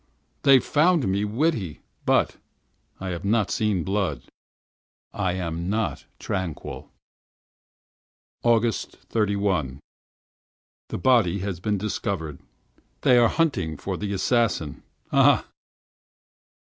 They found me witty. But I have not seen blood! I am tranquil. 31st August. The body has been discovered. They are hunting for the assassin. Ah! ah!